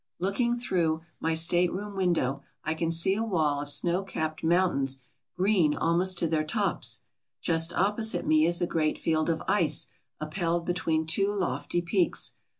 Looking through my stateroom window, I can see a wall of snow capped mountains green almost to their tops. Just opposite me is a great field of ice upheld between two lofty peaks.